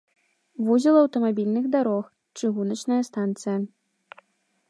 Вузел аўтамабільных дарог, чыгуначная станцыя.